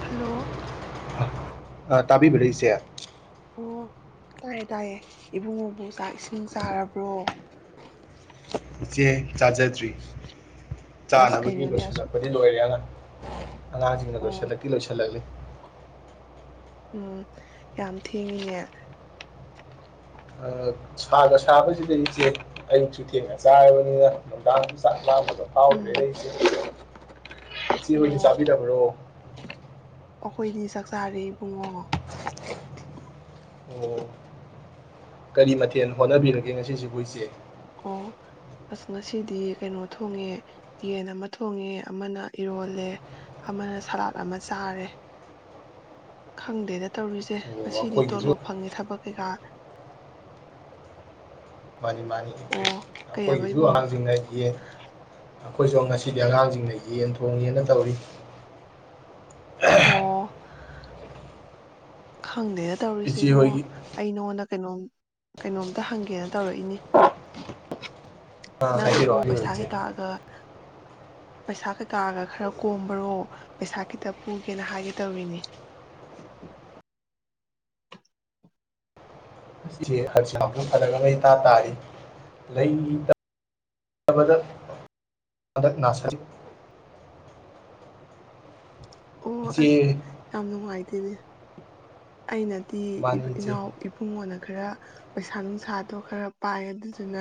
Hello ꯑ ꯇꯥꯕꯤꯕ ꯏꯆꯦ ꯑꯣ ꯇꯥꯏꯌꯦ ꯇꯥꯏꯌꯦ ꯏꯕꯨꯡꯉꯣꯕꯨ ꯆꯥꯛ ꯏꯁꯤꯡ ꯆꯥꯔꯕ꯭ꯔꯣ ꯏꯆꯦ ꯆꯥꯖꯗ꯭ꯔꯤ ꯑꯁ ꯆꯥꯅꯕꯒꯤ ꯀꯩꯅꯣꯅꯦ ꯑꯁꯨꯛ ꯂꯣꯏꯁꯤꯜꯂꯛꯄꯗꯤ ꯂꯣꯏꯔꯦ ꯑꯅꯥꯡ [unintelligible] ꯑꯉꯥꯡꯁꯤꯡꯅ ꯑꯣ ꯂꯣꯏꯁꯤꯜꯂꯛꯀꯤ ꯂꯣꯏꯁꯤꯜꯂꯛꯂꯤ ꯎꯝ ꯌꯥꯝ ꯊꯦꯡꯉꯤꯉꯦ ꯁꯥꯒ ꯁꯥꯕꯁꯤꯗꯒꯤ ꯏꯆꯦ ꯑꯌꯨꯛꯁꯨ ꯊꯦꯡꯅ ꯆꯥꯔꯕꯅꯤꯅ ꯅꯨꯡꯗꯥꯡ ꯆꯥꯛꯥꯡꯕꯗ ꯐꯥꯎ ꯎꯝ ꯂꯩꯁ ꯏꯆꯦ ꯍꯣꯏ ꯑꯣ ꯆꯥꯕꯤꯔꯕ꯭ꯔꯣ ꯑꯩꯈꯣꯏꯗꯤ ꯆꯥꯛ ꯆꯥꯔꯤ ꯏꯕꯨꯡꯉꯣ ꯑꯣ ꯀꯔꯤ ꯃꯊꯦꯜ ꯍꯣꯠꯅꯕꯤꯔꯒꯦ ꯉꯁꯤꯁꯤꯕꯨ ꯏꯆꯦ ꯑꯣ ꯑꯁ ꯉꯁꯤꯗꯤ ꯀꯩꯅꯣ ꯊꯣꯡꯉꯦ ꯌꯦꯟ ꯑꯃ ꯊꯣꯡꯉꯦ ꯑꯃꯅ ꯏꯔꯣꯜꯂꯦ ꯑꯃꯅ ꯁꯥꯂꯥꯠ ꯑꯃ ꯆꯥꯔꯦ ꯈꯪꯗꯦꯗ ꯇꯧꯔꯤꯁꯦ ꯑꯣ ꯉꯁꯤꯗꯤ ꯑꯩꯈꯣꯏꯒꯤꯁꯨ ꯇꯣꯂꯣꯞ ꯐꯪꯉꯤ ꯊꯕꯛ ꯀꯩꯀꯥ ꯃꯥꯅꯤ ꯃꯥꯅꯤ ꯑꯣ ꯏꯟꯇꯔꯦꯁ ꯀꯩꯑꯕ ꯑꯩꯈꯣꯏꯒꯤꯁꯨ ꯏꯕꯨꯡꯉꯣ ꯑꯉꯥꯡꯁꯤꯡꯅ ꯌꯦ ꯑꯩꯈꯣꯏꯁꯨ ꯉꯁꯤꯗꯤ ꯑꯉꯥꯡꯁꯤꯡꯅ ꯌꯦꯟ ꯊꯣꯡꯉꯦꯅ ꯇꯧꯔꯤ ꯑꯣ ꯈꯪꯗꯦꯗ ꯇꯧꯔꯤꯁꯦ ꯏꯆꯦ ꯏꯕꯨꯡꯉꯣ ꯍꯣꯏꯒꯤ ꯑꯩ ꯅꯉꯣꯟꯗ ꯀꯩꯅꯣꯝ ꯀꯩꯅꯣꯝꯇ ꯍꯪꯒꯦꯅ ꯇꯧꯔꯛꯏꯅꯤ ꯑ, ꯅꯪꯕꯨ ꯍꯥꯏꯕꯤꯔꯛꯑꯣ ꯍꯥꯏꯕꯤꯔꯛꯑꯣ ꯄꯩꯁꯥ ꯏꯆꯦ ꯀꯩꯀꯥꯑꯒ ꯄꯩꯁꯥ ꯀꯩꯀꯥꯒ ꯈꯔ ꯀꯣꯝꯕꯔꯣ ꯄꯩꯁꯥ ꯈꯤꯇ ꯄꯨꯒꯦꯅ ꯍꯥꯏꯒꯦ ꯇꯧꯔꯤꯅꯤ꯫ ꯑꯁ ꯏꯆꯦ ꯍꯟꯗꯛ ꯁꯦ ꯐꯔꯛ ꯑꯃꯥ ꯏꯇꯥ ꯇꯔꯤ [unintelligible] ꯑꯣ ꯑꯁ ꯏꯆꯦ ꯌꯥꯝ ꯅꯨꯡꯉꯥꯏꯇꯦꯅꯦ꯫ ꯑꯩꯅꯗꯤ ꯃꯥꯅꯤ ꯏꯆꯦ ꯏꯅꯥꯎ ꯏꯕꯨꯡꯉꯣ ꯅ ꯈꯔ ꯄꯩꯁꯥ ꯅꯨꯡꯁꯥꯗꯣ ꯈꯔ ꯄꯥꯏ ꯑꯗꯨꯗꯨꯅ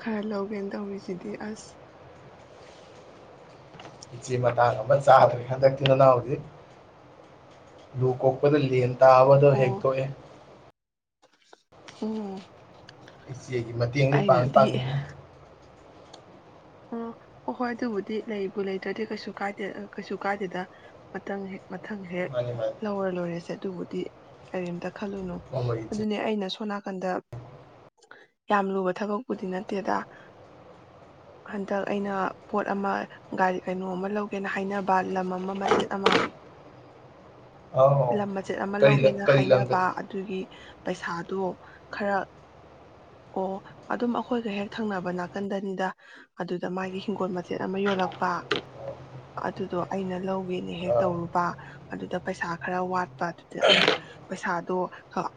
ꯈꯔ ꯂꯧꯒꯦꯅ ꯇꯧꯔꯤꯁꯤꯗꯤ ꯑꯁ! ꯏꯆꯦ ꯃꯇꯥꯡ ꯑꯃ ꯆꯥꯗ꯭ꯔꯦ ꯍꯟꯗꯛꯇꯤ ꯅꯅꯥꯎꯗꯤ ꯂꯨ ꯀꯣꯛꯄꯗ ꯂꯦꯜ ꯇꯕ ꯗꯣ ꯍꯦꯛ ꯑꯣ ꯊꯣꯛꯑꯥ꯫ ꯎꯝ꯫ ꯏꯆꯦꯒꯤ ꯃꯇꯦꯡꯗꯤ ꯄꯥꯡ ꯗꯤ ꯑꯩꯅꯗꯤ ꯄꯥꯡꯅꯤꯡꯉꯤ꯫ ꯑꯣ ꯍ ꯍꯣꯏ ꯑꯗꯨꯕꯨꯗꯤ ꯂꯩꯕꯨ ꯂꯩꯇ꯭ꯔꯗꯤ ꯀꯩꯁꯨ ꯀꯥꯏꯗꯦ ꯀꯩꯁꯨ ꯀꯥꯏꯗꯦꯗ ꯃꯪ ꯍꯦꯛ ꯊꯥꯪ ꯍꯦꯛ ꯃꯥꯅꯤ ꯃꯥꯅꯤ ꯂꯧꯔ ꯂꯣꯏꯔꯦ ꯁꯦ ꯗꯨꯕꯨꯗꯤ ꯀꯔꯤꯝꯇꯥ ꯈꯜꯂꯨꯅꯨ ꯍꯣꯏ ꯍꯣꯏ ꯏꯆꯦ ꯑꯗꯨꯅꯦ ꯑꯩꯅ ꯁ ꯁꯣꯝ ꯅꯥꯀꯟꯗ ꯌꯥꯝ ꯂꯨꯕ ꯊꯕꯛꯄꯨꯗꯤ ꯅꯠꯇꯦꯗ ꯍꯟꯗꯛ ꯑꯩꯅ ꯄꯣꯠ ꯑꯃ ꯒꯥꯔꯤ ꯀꯩꯅꯣ ꯑꯃ ꯂꯧꯒꯦꯅ ꯍꯥꯏꯅꯕ ꯂꯝ ꯑꯃ ꯃꯆꯦꯠ ꯑꯃ ꯑꯧ ꯑꯧ ꯂꯝ ꯃꯆꯦꯠ ꯑꯃ ꯀꯔꯤ ꯂꯝ ꯂꯧꯒꯦꯅ ꯀꯔꯤ ꯂꯝꯗ ꯍꯥꯏꯅꯕ ꯑꯗꯨꯒꯤ ꯄꯩꯁꯥꯗꯣ ꯈꯔ ꯑꯣ ꯑꯗꯨꯝ ꯑꯩꯈꯣꯏꯒ ꯍꯦꯛ ꯊꯪꯅꯕ ꯅꯥꯀꯟꯗꯅꯤꯗ꯫ ꯑꯗꯨꯗ ꯃꯥꯒꯤ ꯍꯤꯡꯒꯣꯜ ꯃꯆꯦꯠ ꯑꯃ ꯌꯣꯜꯂꯛꯄ ꯑꯗꯨꯗꯣ ꯑꯩꯅ ꯂꯧꯒꯦꯅ ꯍꯦꯛ ꯑꯥ ꯇꯧꯔꯨꯕ ꯑꯗꯨꯗ ꯄꯩꯁꯥ ꯈꯔ ꯋꯥꯠꯄ ꯑꯗꯨꯗ ꯑꯩꯅ ꯄꯩꯁꯥꯗꯣ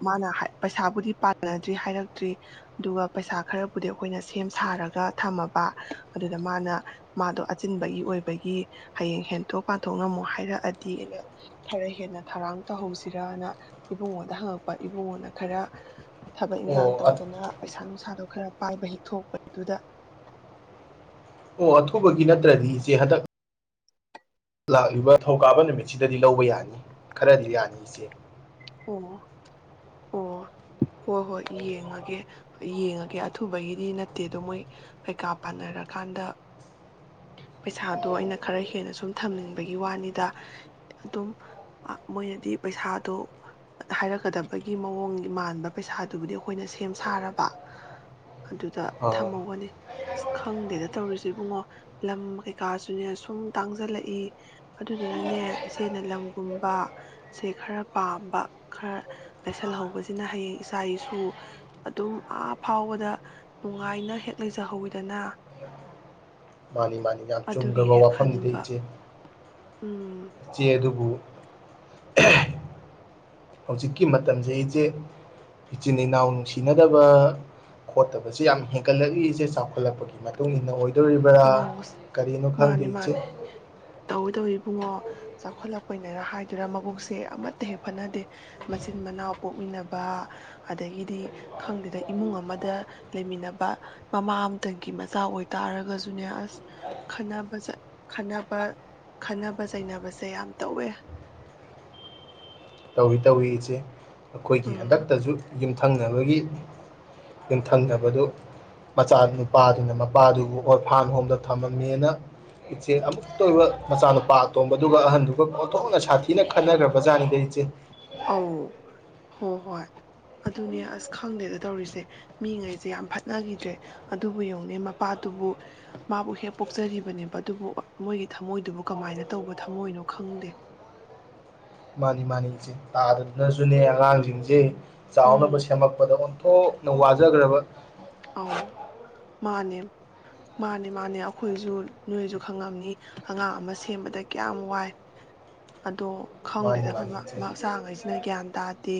ꯃꯥꯅ ꯄꯩꯁꯥꯕꯨꯗꯤ ꯄꯥꯟꯅꯗ꯭ꯔꯤ ꯍꯥꯏꯔꯛꯇ꯭ꯔꯤ ꯑꯗꯨꯒ ꯄꯩꯁꯥ ꯈꯔꯕꯨꯗꯤ ꯑꯩꯈꯣꯏꯅ ꯁꯦꯝ ꯁꯥꯔꯒ ꯊꯝꯃꯕ ꯑꯗꯨꯗ ꯃꯥꯅ ꯃꯥꯗꯣ ꯑꯆꯤꯟꯕꯒꯤ ꯑꯣꯏꯕꯒꯤ ꯍꯌꯦꯡ ꯍꯦꯟꯇꯣꯛ ꯄꯥꯟꯊꯣꯛ ꯉꯝꯃꯣ ꯍꯥꯏꯔꯛꯑꯗꯤ ꯑꯩꯅ ꯈꯔ ꯍꯦꯟꯅ ꯊꯧꯔꯥꯡ ꯇꯧꯍꯧꯁꯤꯔꯅ ꯏꯕꯨꯡꯉꯣꯗ ꯍꯪꯉꯛꯄ ꯏꯕꯨꯡꯉꯣꯅ ꯈꯔ ꯊꯕꯛ ꯏꯟꯈꯥꯡ ꯑꯣ ꯇꯧꯗꯅ ꯄꯩꯁꯥ ꯅꯨꯡ ꯃꯁꯥꯗꯣ ꯈꯔ ꯄꯥꯏꯕ ꯍꯦꯛ ꯊꯣꯛꯄꯗꯨꯗ ꯑꯣ ꯑꯊꯨꯕꯒꯤ ꯅꯠꯇ꯭ꯔꯗꯤ ꯏꯆꯦ ꯍꯟꯗꯛ ꯂꯥꯛꯂꯤꯕ ꯊꯧꯀꯥꯕ ꯅꯨꯃꯤꯠ ꯁꯤꯗꯗꯤ ꯂꯧꯕ ꯌꯥꯅꯤ ꯈꯔꯗꯤ ꯌꯥꯅꯤ꯫ ꯏꯆꯦ꯫ ꯑꯣ ꯑꯣ ꯍꯣꯏ - ꯍꯣꯏ ꯌꯦꯡꯉꯒꯦ - ꯌꯦꯡꯉꯒꯦ ꯑꯊꯨꯕꯒꯤꯗꯤ ꯅꯠꯇꯦꯗꯣ ꯃꯣꯏ ꯀꯩꯀꯥ ꯄꯥꯟꯅꯔꯀꯥꯟꯗ ꯄꯩꯁꯥꯗꯣ ꯑꯩꯅ ꯈꯔ ꯍꯦꯟꯅ ꯁꯨꯝ ꯊꯝꯅꯤꯡꯕꯒꯤ ꯋꯥꯅꯤꯗ ꯑꯗꯨꯝ ꯃꯣꯏꯅꯗꯤ ꯄꯩꯁꯥꯗꯣ ꯍꯥꯏꯔꯛꯀꯗꯕꯒꯤ ꯃꯑꯣꯡ ꯃꯥꯟꯕ ꯄꯩꯁꯥꯗꯨꯕꯨꯗꯤ ꯑꯩꯈꯣꯏꯅ ꯁꯦꯝ ꯁꯥꯔꯕ ꯑꯗꯨꯗ ꯑꯥ ꯊꯝꯍꯧꯒꯅꯤ ꯑꯁ ꯈꯪꯗꯦꯗ ꯇꯧꯔꯤꯁꯤꯦ ꯏꯕꯨꯡꯉꯣ꯫ ꯂꯝ ꯀꯩꯀꯥꯁꯨꯅꯦ ꯁꯨꯝ ꯇꯥꯡꯖꯜꯂꯛꯏ ꯑꯗꯨꯗꯨꯅꯅꯦ ꯏꯆꯦꯅ ꯂꯝꯒꯨꯝꯕ ꯁꯦ ꯈꯔ ꯄꯥꯝꯕ ꯈꯔ ꯂꯩꯁꯜꯍꯧꯕꯁꯤꯅ ꯍꯌꯦꯡ ꯏꯆꯥ ꯏꯁꯨ ꯑꯗꯨꯝ ꯑꯥ ꯐꯥꯎꯕꯗ ꯅꯨꯡꯉꯥꯏꯅ ꯍꯦꯛ ꯂꯩꯖꯍꯧꯋꯤꯗꯅ꯫ ꯃꯥꯅꯤ - ꯃꯥꯅꯤ ꯌꯥꯝ ꯑꯗꯨꯒꯤ ꯆꯨꯝꯈ꯭ꯔꯕ ꯍꯦꯛ ꯋꯥꯐꯝꯅꯤꯗ ꯈꯟꯕ ꯏꯆꯦ꯫ ꯎꯝ ꯢꯆꯦ ꯑꯗꯨꯕꯨ ꯍꯧꯖꯤꯛꯀꯤ ꯃꯇꯝꯁꯦ ꯏꯆꯦ ꯏꯆꯤꯟ ꯏꯅꯥꯎ ꯅꯨꯡꯁꯤꯅꯗꯕ ꯈꯣꯠꯇꯕꯁꯦ ꯌꯥꯝ ꯍꯦꯟꯒꯠꯂꯛꯂꯤ ꯏꯆꯦ ꯆꯥꯎꯈꯠꯂꯛꯄꯒꯤ ꯃꯇꯨꯡ ꯏ ꯃꯇꯨꯡꯏꯟꯅ ꯑ ꯃꯥꯅꯦ ꯏꯆꯦ -ꯃꯥꯅꯤ ꯇꯧꯋꯤ- ꯇꯧꯋꯤ꯫ ꯏꯕꯨꯡꯉꯣ ꯆꯥꯎꯈꯠꯂꯛꯄꯅꯤꯅ ꯍꯥꯏꯗꯨꯔꯥ ꯃꯕꯨꯛꯁꯦ ꯑꯃꯠꯇ ꯍꯦꯛ ꯐꯅꯗꯦ ꯃꯆꯤꯟ ꯃꯅꯥꯎ ꯄꯣꯛꯃꯤꯟꯅꯕ ꯑꯗꯒꯤꯗꯤ ꯈꯪꯗꯦꯗ ꯏꯃꯨꯡ ꯑꯃꯗ ꯂꯩꯃꯤꯟꯅꯕ ꯃꯃꯥ ꯑꯃꯇꯪꯒꯤ ꯃꯆꯥ ꯑꯣꯏꯇꯥꯔꯒꯁꯨ ꯑꯗꯨꯅꯦ ꯑꯁ ꯈ ꯈꯠꯕ - ꯈꯠꯕ ꯆꯩꯅꯕꯁꯦ ꯌꯥꯝ ꯇꯧꯋꯦ꯫ ꯇꯧꯏꯤ- ꯇꯧꯏꯤ ꯏꯆꯦ꯫ ꯑꯩꯈꯣꯏꯒꯤ ꯎꯝ ꯍꯟꯗꯛꯇꯁꯨ ꯌꯨꯝꯊꯪꯅꯕꯒꯤ ꯌꯨꯝꯊꯪꯅꯕꯗꯨ ꯃꯆꯥ ꯅꯨꯄꯥꯗꯨꯅ ꯃꯄꯥꯗꯨꯕꯨ ꯑꯣꯔꯐꯥꯝ ꯍꯣꯝꯗ ꯊꯝꯃꯝꯃꯦꯅ ꯏꯆꯦ ꯑꯃꯨꯛꯇ ꯑꯣꯏꯕ ꯃꯆꯥꯅꯨꯄꯥ ꯑꯇꯣꯝꯕꯗꯨꯒ ꯑꯍꯟꯗꯨꯒ ꯄꯣꯠꯊꯣꯛꯅ ꯁꯥꯊꯤꯅ ꯈꯟꯅꯈ꯭ꯔꯕꯖꯥꯠꯅꯤꯗ ꯏꯆꯦ꯫ [inaudible] ꯑꯧ ꯍꯣ ꯍꯣꯏ ꯑꯗꯨꯅꯦ ꯑꯁ ꯈꯪꯗꯦꯗ ꯇꯧꯔꯤꯁꯦ ꯃꯤꯉꯩꯁꯦ ꯌꯥꯝ ꯐꯠꯅꯈꯤꯗ꯭ꯔꯦ ꯑꯗꯨꯕꯨ ꯌꯦꯡꯉꯅꯦ ꯃꯄꯥꯗꯨꯕꯨ ꯃꯥꯕꯨ ꯍꯦꯛ ꯄꯣꯛꯆꯔꯤꯕꯅꯦꯕ ꯑꯗꯨꯕꯨ ꯃꯣꯏꯒꯤ ꯊꯝꯃꯣꯏꯗꯨꯕꯨ ꯀꯃꯥꯏꯅ ꯇꯧꯕ ꯊꯝꯃꯣꯏꯅꯣ ꯈꯪꯗꯦ꯫ ꯃꯥꯅꯤ- ꯃꯥꯅꯤ ꯏꯆꯦ ꯇꯥꯗꯗꯅꯁꯨꯅꯦ ꯑꯉꯥꯡꯁꯤꯡꯁꯦ ꯆꯥꯎꯅꯕ ꯎꯝ ꯁꯦꯝꯃꯛꯄꯗ ꯑꯣꯟꯊꯣꯛꯅ ꯋꯥ [unintelligible] ꯑꯧ ꯃꯥꯅꯦ - ꯃꯥꯅꯦ - ꯃꯥꯅꯦ ꯑꯩꯈꯣꯏꯁꯨ ꯅꯣꯏꯁꯨ ꯈꯪꯉꯝꯅꯤ ꯑꯉꯥꯡ ꯑꯃ ꯁꯦꯝꯕꯗ ꯀꯌꯥꯝ ꯋꯥꯏ ꯑꯗꯣ ꯃꯥꯅꯤ ꯈꯪꯗꯦꯗꯕ ꯃꯥꯅꯤ ꯏꯆꯦ ꯃꯆꯥꯉꯩꯁꯤꯅ ꯒ꯭ꯌꯥꯟ ꯇꯥꯗ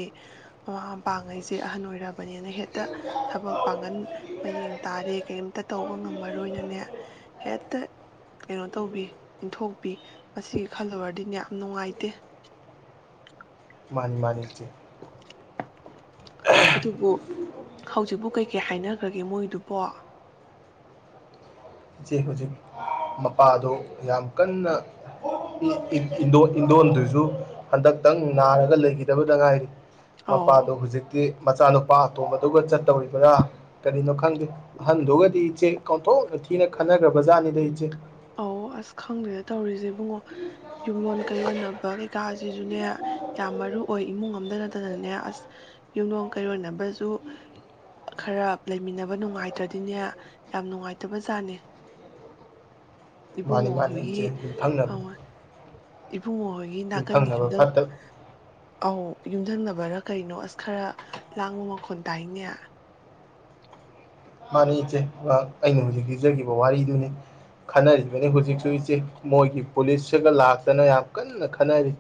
ꯃꯃꯥ ꯃꯄꯥꯥꯡꯉꯩꯁꯦ ꯑꯍꯟ ꯑꯣꯏꯔꯕꯅꯤꯅ ꯍꯦꯛꯇ ꯊꯕꯛ ꯄꯥꯡꯒꯟ ꯃꯌꯦꯡ ꯇꯥꯔꯦ ꯀꯔꯤꯝꯇ ꯇꯧꯕ ꯉꯝꯃꯔꯣꯏꯅꯅꯦ ꯍꯦꯛꯇ ꯀꯩꯅꯣ ꯇꯧꯕꯤ ꯏꯟꯊꯣꯛꯄꯤ ꯃꯁꯤꯒꯤ ꯈꯜꯂꯨꯔꯗꯤꯅꯦ ꯌꯥꯝ ꯅꯨꯡꯉꯥꯏꯇꯦ꯫ ꯃꯥꯅꯤ -ꯃꯥꯅꯤ ꯏꯆꯦ꯫ ꯑꯗꯨꯕꯨ ꯍꯧꯖꯤꯛꯄꯨ ꯀꯩꯀꯩ ꯍꯥꯏꯅꯈ꯭ꯔꯒꯦ ꯃꯣꯏꯗꯨꯕꯣ? ꯏꯆꯦ ꯍꯧꯖꯤꯛ ꯃꯄꯥꯗꯣ ꯌꯥꯝ ꯀꯟꯅ ꯏꯟꯗꯣꯟꯗꯨꯁꯨ ꯍꯟꯗꯛ ꯈꯤꯇꯪ ꯅꯥꯔꯒ ꯂꯩꯈꯤꯗꯕꯗ ꯉꯥꯏꯔꯤ꯫ ꯑꯧ ꯃꯄꯥꯗꯣ ꯍꯨꯖꯤꯛꯇꯤ ꯃꯆꯥꯅꯨꯄꯥ ꯑꯇꯣꯝꯕꯗꯨꯒ ꯆꯠꯇꯧꯔꯤꯕꯅ ꯀꯔꯤꯅꯣ ꯈꯪ ꯍꯟꯗꯨꯣꯒꯗꯤ ꯏꯆꯦ [unintelligible] ꯊꯤꯅ ꯈꯟꯅꯈ꯭ꯔꯕ ꯖꯥꯠꯅꯤꯗ ꯏꯆꯦ꯫ ꯑꯧ ꯑꯁ ꯈꯪꯗ꯭ꯔꯦ ꯇꯧꯔꯤꯁꯦ ꯏꯕꯨꯡꯉꯣ ꯌꯨꯝꯂꯣꯟ ꯀꯩꯔꯣꯟꯅꯕ ꯀꯩꯀꯥꯁꯤꯁꯨꯅꯦ ꯌꯥꯝ ꯃꯔꯨ ꯑꯣꯏ ꯏꯃꯨꯡ ꯑꯃꯝꯇ ꯅꯠꯇꯅꯅꯦ ꯑꯁ ꯌꯨꯝꯂꯣꯟ ꯀꯩꯔꯣꯟꯅꯕꯁꯨ ꯈꯔ ꯂꯩꯃꯤꯟꯅꯕ ꯅꯨꯡꯉꯥꯏꯇ꯭ꯔꯗꯤꯅꯦ ꯌꯥꯝ ꯅꯨꯡꯉꯥꯏꯇꯕ ꯖꯥꯠꯅꯦ꯫ ꯃꯥꯅꯤ ꯏꯕꯨꯡꯉꯣ - ꯃꯥꯅꯤ ꯍꯣꯏꯒꯤ ꯏꯆꯦ ꯌꯨꯝ ꯊꯪ ꯅ ꯏꯕꯨꯡꯉꯍꯣꯏꯒꯤ ꯅꯥꯀꯟꯒꯤ ꯌꯨꯝ ꯑꯧ ꯌꯨꯝꯊꯪꯅꯕꯔꯥ ꯀꯩꯅꯣ ꯑꯁ ꯈꯔ ꯂꯥꯡꯕ ꯃꯈꯣꯜ ꯇꯥꯏꯅꯦ꯫ ꯃꯥꯅꯤ ꯏꯆꯦ ꯉꯍꯥꯛ ꯑꯩꯅ ꯍꯧꯖꯤꯛ ꯂꯤꯖꯈꯤꯕ ꯋꯥꯔꯤꯗꯨꯅꯤ ꯈꯟꯅꯔꯤꯕꯅꯤ ꯍꯧꯖꯤꯛꯁꯨ ꯏꯆꯦ ꯃꯣꯏꯒꯤ ꯄꯨꯂꯤꯁꯁꯤꯒ ꯂꯥꯛꯇꯅ ꯌꯥꯝ ꯀꯟꯅ ꯈꯟꯅꯔꯤ꯫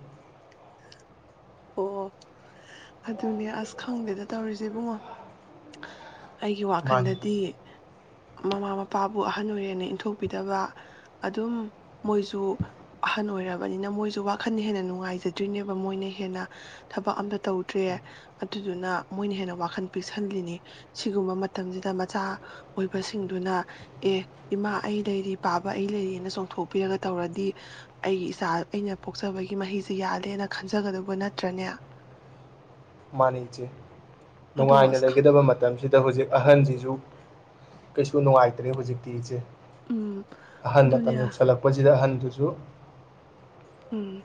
ꯑꯣ ꯑꯗꯨꯅꯦ ꯑꯁ ꯈꯪꯗꯦꯗ ꯇꯧꯔꯤꯁꯦ ꯏꯕꯨꯡꯉꯣ꯫ ꯑꯩꯒꯤ ꯃꯥꯅꯤ ꯋꯥꯈꯜꯗꯗꯤ ꯃꯃꯥ - ꯃꯄꯥꯕꯨ ꯑꯍꯟ ꯑꯣꯏꯔꯦꯅ ꯏꯟꯊꯣꯛꯄꯤꯗꯕ ꯑꯗꯨꯝ ꯃꯣꯏꯁꯨ ꯑꯍꯟ ꯑꯣꯏꯔꯕꯅꯤꯅ ꯃꯣꯏꯁꯨ ꯋꯥꯈꯜꯅ ꯍꯦꯟꯅ ꯅꯨꯡꯉꯥꯏꯖꯗ꯭ꯣꯏꯅꯦꯕ ꯃꯣꯏꯅ ꯍꯦꯟꯅ꯫ ꯊꯕꯛ ꯑꯝꯇ ꯇꯧꯗ꯭ꯔꯦ ꯑꯗꯨꯗꯨꯅ ꯃꯣꯏꯅ ꯍꯦꯟꯅ ꯋꯥꯈꯜ ꯄꯤꯛꯁꯜꯂꯤꯅꯤ ꯁꯤꯒꯨꯝꯕ ꯃꯇꯝꯁꯤꯗ ꯃꯆꯥ ꯑꯣꯏꯕꯁꯤꯡꯗꯨꯅ ꯑꯦ ꯏꯃꯥ ꯑꯩ ꯂꯩꯔꯤ ꯄꯥꯕ ꯑꯩ ꯂꯩꯔꯤꯅ ꯆꯣꯡꯊꯣꯛꯄꯤꯔꯒ ꯇꯧꯔꯗꯤ ꯑꯩꯒꯤ ꯏꯆꯥ ꯑꯩꯅ ꯄꯣꯛꯆꯕꯒꯤ ꯃꯍꯩꯁꯤ ꯌꯥꯜꯂꯦꯅ ꯈꯟꯖꯒꯗꯧꯕ ꯅꯠ ꯇ꯭ꯔꯅꯦꯌꯥ ꯃꯥꯅꯤ ꯏꯆꯦ ꯫ ꯅꯨꯡꯉꯥꯏꯅ ꯑꯁ ꯈꯪ ꯂꯩꯒꯗꯕ ꯃꯇꯝꯁꯤꯗ ꯍꯧꯖꯤꯛ ꯑꯍꯟꯁꯤꯁꯨ ꯀꯩꯁꯨ ꯅꯨꯡꯉꯥꯏꯇ꯭ꯔꯦ ꯍꯧꯖꯤꯛꯇꯤ ꯏꯆꯦ꯫ ꯎꯝ ꯑꯍꯟ ꯑꯗꯨꯅꯦ ꯃꯇꯝ ꯌꯧꯁꯜꯂꯛꯄꯁꯤꯗ ꯑꯍꯟ ꯑꯗꯨꯁꯨ ꯎꯝ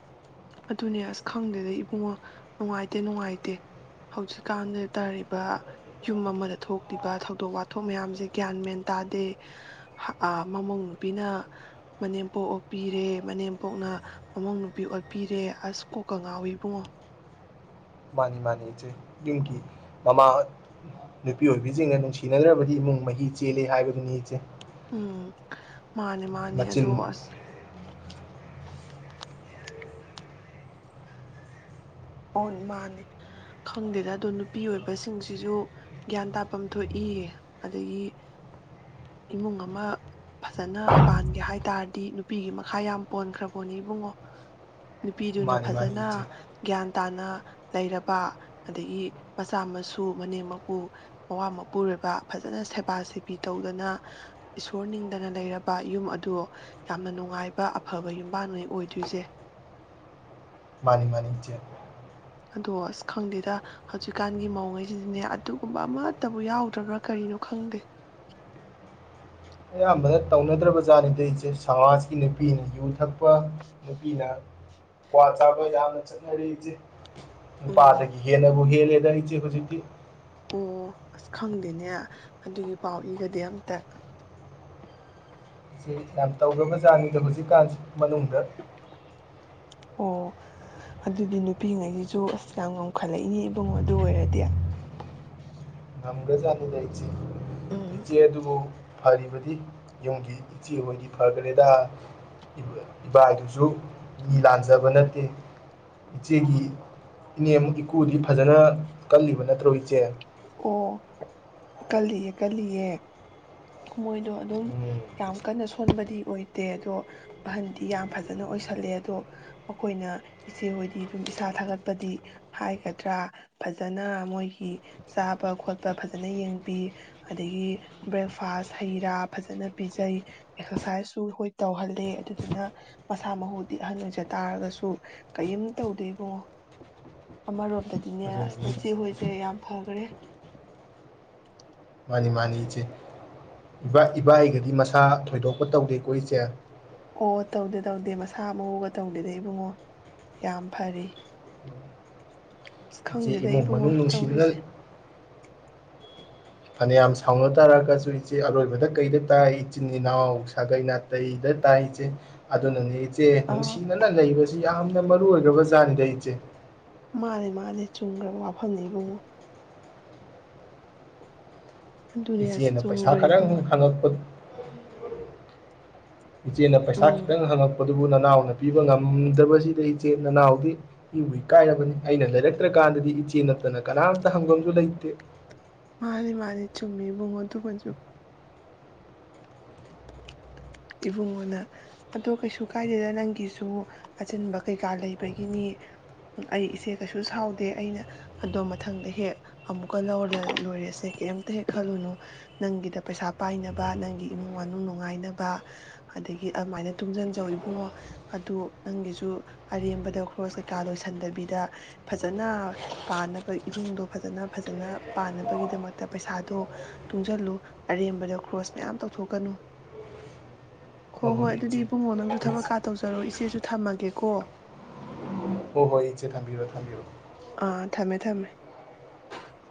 ꯑꯗꯨꯅꯦ ꯑꯁ ꯈꯪꯗꯦꯗ ꯏꯕꯨꯡꯉꯣ ꯅꯨꯡꯉꯥꯏꯇꯦ ꯅꯨꯡꯉꯥꯏꯇꯦ ꯍꯧꯖꯤꯛꯀꯥꯟꯗ ꯇꯥꯔꯤꯕ ꯌꯨꯝ ꯑꯃꯗ ꯊꯣꯛꯂꯤꯕ ꯊꯧꯗꯣꯛ ꯋꯥꯊꯣꯛ ꯃꯌꯥꯝꯁꯦ ꯒ꯭ꯌꯥꯟ ꯃꯦꯟ ꯇꯥꯗꯦ ꯃꯃꯧ ꯅꯨꯄꯤꯅ ꯃꯅꯦꯝꯄꯣꯛ ꯑꯣꯄꯤꯔꯦ ꯃꯅꯦꯝꯄꯣꯛꯅ ꯝꯃꯧ ꯅꯨꯄꯤ ꯑꯣꯠꯄꯤꯔꯦ ꯑꯁ ꯀꯣꯀ ꯉꯥꯎꯋꯤ ꯏꯕꯨꯡꯉꯣ꯫ ꯃꯥꯅꯤ- ꯃꯥꯅꯤ ꯏꯆꯦ ꯌꯨꯝꯒꯤ ꯃꯃꯥ ꯅꯨꯄꯤ ꯑꯣꯏꯕꯤꯁꯤꯡꯅ ꯅꯨꯡꯁꯤꯅꯗ꯭ꯔꯕꯗꯤ ꯏꯃꯨꯡ ꯃꯍꯤ ꯆꯦꯜꯂꯦ ꯍꯥꯏꯕꯗꯨꯅꯤ ꯏꯆꯦ꯫ ꯎꯝ꯫ ꯃꯥꯅꯦ - ꯃꯥꯅꯦ ꯃꯆꯤꯟ ꯑꯗꯣ ꯑꯁ ꯑꯣ ꯃꯥꯅꯦ ꯈꯪꯗꯦꯗ ꯑꯗꯣ ꯅꯨꯄꯤ ꯑꯣꯏꯕꯁꯤꯡꯁꯤꯁꯨ ꯒ꯭ꯌꯥꯟ ꯇꯥꯐꯝ ꯊꯣꯛꯏ ꯑꯗꯒꯤ ꯏꯃꯨꯡ ꯑꯃ ꯐꯖꯅ ꯄꯥꯟꯒꯦ ꯍꯥꯏ ꯇꯥꯔꯗꯤ ꯅꯨꯄꯤꯒꯤ ꯃꯈꯥ ꯌꯥꯝ ꯄꯣꯟꯈ꯭ꯔꯄꫭꯠꯅꯤ ꯏꯕꯨꯡꯉꯣ ꯅꯨꯄꯤꯗꯨꯅ ꯃꯥꯅꯤ ꯃꯥꯅꯤ ꯏꯆꯦ ꯐꯖꯅ ꯒ꯭ꯌꯥꯟ ꯇꯥꯅ ꯂꯩꯔꯕ ꯑꯗꯒꯤ ꯃꯆꯥ ꯃꯁꯨ ꯃꯅꯦꯝ ꯃꯀꯨ ꯃꯋꯥ ꯃꯄꯨꯔꫭꯏꯕ ꯐꯖꯅ ꯁꯦꯕꯥ ꯁꯦꯕꯤ ꯇꯧꯗꯅ ꯏꯁꯣꯔ ꯅꯤꯡꯗꯅ ꯂꯩꯔꯕ ꯌꯨꯝ ꯑꯗꯨ ꯌꯥꯝꯅ ꯅꯨꯡꯉꯥꯏꯕ ꯑꯐꯕ ꯌꯨꯝꯕꯥꯟꯅꯦ ꯑꯣꯏꯗꯣꯏꯖꯦ ꯃꯥꯅꯤ ꯃꯥꯅꯤ ꯏꯆꯦ ꯑꯗꯣ ꯁ ꯈꯪꯗꯦꯗ ꯍꯧꯖꯤꯛꯀꯥꯟꯒꯤ ꯃꯧꯉꯩꯁꯤꯗꯤꯅꯦ ꯑꯗꯨꯒꯨꯝꯕ ꯑꯃꯠꯇꯕꯨ ꯌꯥꯎꯗ꯭ꯔꯕ꯭ꯔꯥ ꯀꯔꯤꯅꯣ ꯈꯪꯗꯦ ꯑꯌꯥꯝꯕꯅ ꯇꯧꯅꯗ꯭ꯔꯕ ꯖꯥꯠꯅꯤꯗ ꯏꯆꯦ ꯁꯃꯥꯖꯀꯤ ꯅꯨꯄꯤꯅ ꯌꯨ ꯊꯛꯄ ꯅꯨꯄꯤꯅ ꯀ꯭ꯋꯥ ꯆꯥꯕ ꯌꯥꯝꯅ ꯆꯠꯅꯔꯤ ꯏꯆꯦ ꯎꯝ ꯅꯨꯄꯥꯗꯒꯤ ꯍꯦꯟꯅꯕꯨ ꯍꯦꯂꯦ ꯗ ꯏꯆꯦ ꯍꯧꯖꯤꯛꯇꯤ ꯑꯣ ꯑꯁ ꯈꯪꯗꯦꯅꯦ ꯑꯗꯨꯒꯤ ꯄꯥꯎ ꯏ ꯒꯗꯤ ꯑꯝꯇ ꯆꯦ ꯌꯥꯝ ꯇꯧꯒ꯭ꯔꯕꯖꯥꯠꯅꯤꯗ ꯍꯧꯖꯤꯛꯀꯥꯟꯁꯤ ꯃꯅꯨꯡꯗ ꯑꯣ ꯑꯗꯨꯗꯤ ꯅꯨꯄꯤꯉꯩꯁꯤꯁꯨ ꯑꯁ ꯌꯥꯝ ꯉꯈꯠꯂꯛꯏꯅꯦ ꯏꯕꯨꯡꯉꯣ ꯑꯗꯨ ꯑꯣꯏꯔꯗꯤ ꯉꯝꯒ꯭ꯔꯖꯥꯠꯅꯤꯗ ꯏꯆꯦ ꯎꯝ ꯏꯆꯦ ꯑꯗꯨꯕꯨ ꯐꯔꯤꯕꯗꯤ ꯌꯨꯝꯒꯤ ꯏꯆꯦ ꯍꯣꯏꯗꯤ ꯐꯒ꯭ꯔꯦꯗ ꯏꯕ ꯑ ꯏꯕꯥꯗꯨꯖꯨ ꯃꯤ ꯂꯥꯟꯖꯕ ꯅꯠꯇꯦ ꯏꯆꯦꯒꯤ ꯏꯅꯦꯝ ꯏꯀꯨꯗꯤ ꯐꯖꯅ ꯀꯜꯂꯤꯕ ꯅꯠꯇ꯭ꯔꯣ ꯏꯆꯦ ꯑꯣ ꯀꯜꯂꯤꯌꯦ ꯀꯜꯂꯤꯌꯦ ꯃꯣꯏꯗꯣ ꯑꯗꯨꯝ ꯎꯝ ꯌꯥꯝ ꯀꯟꯅ ꯁꯣꯟꯕꯗꯤ ꯑꯣꯏꯗꯦ ꯑꯗꯣ ꯑꯍꯟꯗꯤ ꯌꯥꯝ ꯐꯖꯅ ꯑꯣꯏꯁꯜꯂꯦ ꯑꯗꯣ ꯑꯩꯈꯣꯏꯅ ꯏꯆꯦꯍꯣꯏꯗꯤ ꯑꯗꯨꯝ ꯏꯁꯥ ꯊꯥꯒꯠꯄꯗꯤ ꯍꯥꯏꯒꯗ꯭ꯔꯥ ꯐꯖꯅ ꯃꯣꯏꯒꯤ ꯆꯥꯕ ꯈꯣꯠꯄ ꯐꯖꯅ ꯌꯦꯡꯕꯤ ꯑꯗꯒꯤ ꯕ꯭ꯔꯦꯛ ꯐ ꯐꯥꯁ ꯍꯩ ꯔꯥ ꯐꯖꯟꯅ ꯄꯤꯖꯩ, ꯑꯦꯛꯁꯔꯁꯥꯏꯖꯁꯨ ꯍꯣꯏ ꯇꯧꯍꯜꯂꯦ ꯑꯗꯨꯗꯨꯅ ꯃꯁꯥ ꯃꯍꯨꯗꯤ ꯑꯍꯜ ꯑꯣꯏꯖ ꯇꯥꯔꯒꯁꯨ ꯀꯏꯝ ꯇꯧꯗꯦ ꯏꯕꯨꯡꯉꯣ꯫ ꯑꯃꯔꯣꯝꯗꯗꯤꯅꯦ ꯑꯁ ꯑꯗꯨꯅꯅꯤ ꯅꯆꯦ ꯍꯣꯏꯖꯦ ꯌꯥꯝ ꯐꯥꯒꯔꯦ꯫ ꯃꯥꯅꯤ ꯃꯥꯅꯤ ꯏꯆꯦ ꯏꯕꯥ ꯏꯕꯥꯏꯒꯗꯤ ꯃꯁꯥ ꯊꯣꯏꯗꯣꯛꯄ ꯇꯧꯗꯦꯀꯣ ꯏꯆꯦ? ꯑꯣ ꯇꯧꯗꯦ ꯇꯧꯗꯦ ꯃꯁꯥ ꯃꯎꯨꯒꯥ ꯇꯧꯗꯦꯗꯥ ꯏꯕꯨꯡꯉꯣ ꯌꯥꯝ ꯐꯔꯤ꯫ ꯑꯁ ꯏꯆꯦ ꯈꯪꯗꯦꯗ ꯏꯃꯨꯡ ꯏꯕꯨꯡꯉꯣ ꯃꯅꯨꯡ ꯅꯨꯡꯁꯤꯅꯅꯥ ꯇꯧꯔꯤꯁꯦ ꯐꯅꯌꯥꯝ ꯁꯥꯎꯅ ꯇꯥꯔꯒꯁꯨ ꯏꯆꯦ ꯑꯔꯣꯏꯕꯗ ꯀꯩꯗ ꯇꯥꯏ ꯏꯆꯤꯟ ꯏꯅꯥꯎ ꯁꯥꯒꯩ ꯅꯥꯇꯩꯗ ꯇꯥꯏ ꯏꯆꯦ ꯑꯗꯨꯅꯅꯤ ꯏꯆ ꯆꯦ ꯑꯥ ꯅꯨꯡꯁꯤꯅꯅꯥ ꯂꯩꯕ ꯖꯤ ꯌꯥꯝꯅ ꯃꯔꯨ ꯑꯣꯏꯒ꯭ꯔꯕ ꯖꯠꯅꯤꯗ ꯏꯆꯦ ꯃꯟꯅꯦ ꯃꯟꯅꯦ ꯆꯨꯝꯒ꯭ꯔꯕ ꯋꯥꯐꯝꯅꯤ ꯏꯕꯨꯡꯉꯣ꯫ ꯑꯗꯨꯅꯦ ꯑꯁ ꯏꯆꯦꯅ ꯄꯩꯁꯥ ꯆꯨꯝꯈ꯭ꯔꯦ ꯈꯔ ꯎꯪ ꯏꯕꯨꯡꯉꯣ ꯐꯪꯉꯛꯄ ꯏꯆꯦꯅ ꯄꯩꯁꯥ ꯎꯝ ꯈꯤꯇꯪ ꯍꯪꯉꯛꯄ ꯗꯨꯕꯨ ꯅꯅꯥꯎꯅ ꯄꯤꯕ ꯉꯝꯗꯕꯁꯤꯗ ꯏꯆꯦ ꯅꯅꯥꯎꯗꯤ ꯏꯕꯨ ꯏꯀꯥꯏꯔꯕꯅꯤ, ꯑꯩꯅ ꯂꯩꯔꯛꯇ꯭ꯔ ꯀꯥꯟꯗꯗꯤ ꯏꯆꯦ ꯅꯠꯇꯅ ꯀꯅꯥꯝꯇ ꯍꯪꯕꯝꯖꯨ ꯂꯩꯇꯦ꯫ ꯃꯥꯅꯤ ꯃꯥꯅꯤ ꯆꯨꯝꯃꯤ ꯃꯉꯣꯟ ꯇꯨꯕꯟꯆꯨ ꯏꯕꯨꯡꯉꯣꯅ ꯑꯗꯨ ꯀꯩꯁꯨ ꯀꯥꯏꯗꯦꯗ ꯅꯪꯒꯤꯁꯨ ꯑꯆꯤꯟꯕ ꯀꯩꯀꯥ ꯂꯩꯕꯒꯤꯅꯤ, ꯎꯝ ꯑꯩ ꯏꯆꯦ ꯀꯩꯁꯨ ꯁꯥꯎꯗꯦ ꯑꯩꯅ ꯑꯗꯣ ꯃꯊꯪꯗ ꯍꯦꯛ ꯑꯃꯨꯛꯀ ꯂꯧꯂꯥ ꯂꯣꯏꯔꯦꯁꯦ ꯀꯦꯝꯇꯥ ꯍꯦꯛ ꯈꯜꯂꯨꯅꯨ ꯅꯪꯒꯤꯗ ꯄꯩꯁꯥ ꯄꯥꯏꯅꯕ, ꯅꯪꯒꯤ ꯏꯃꯨꯡ ꯃꯅꯨꯡ ꯅꯨꯉꯥꯏꯅꯕ ꯑꯗꯒꯤ ꯑꯃꯥꯏꯅ ꯇꯨꯡꯖꯟꯖꯧ ꯏꯕꯨꯡꯉꯣ ꯑꯗꯨ ꯅꯪꯒꯤꯖꯨ ꯑꯔꯦꯝꯕꯗ ꯈ꯭ꯔꯣꯁ ꯀꯩꯀꯥ ꯂꯣꯏꯁꯟꯗꯕꯤꯗ ꯐꯖꯅ ꯄꯥꯟꯅꯕ ꯏꯃꯨꯡꯗꯣ ꯐꯖꯅ ꯐꯖꯅ ꯄꯥꯟꯅꯕꯒꯤꯗꯃꯛꯇ ꯄꯩꯁꯥꯗꯣ ꯇꯨꯡꯖꯜꯂꯨ, ꯑꯔꯦꯝꯕꯗ ꯈ꯭ꯔꯣꯁ ꯃꯌꯥꯝ ꯇꯧꯊꯣꯛꯀꯅꯨ꯫ ꯍꯣ ꯍꯣꯏ ꯑꯗꯨꯗꯤ ꯏꯕꯨꯡꯉꯣ ꯅꯪꯁꯨ ꯊꯕꯛ ꯀꯥ ꯇꯧꯖꯔꯣ ꯏꯆꯦꯁꯨ ꯊꯝꯃꯒꯦꯀꯣ ꯍꯣ ꯍꯣꯏ ꯏꯆꯦ ꯊꯝꯕꯤꯔꯣ ꯊꯝꯕꯤꯔꯣ꯫ ꯑꯥ ꯊꯝꯃꯦ ꯊꯝꯃꯦ [unintelligible]